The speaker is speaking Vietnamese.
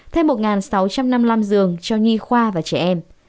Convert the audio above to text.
thêm một sáu trăm năm mươi năm giường cho nhi khoa và trẻ em